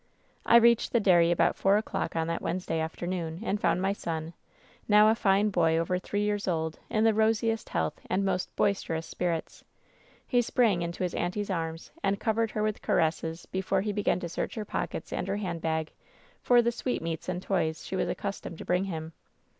"I reached the dairy about four o'clock on that Wednesday afternoon, and found my son, now a fine boy over three years old, in the rosiest health and most bois terous spirits. He sprang into his 'auntie's' arms and covered her with caresses before he began to search her pockets and her hand bag for the sweetmeats and toys she was accustomed to bring him.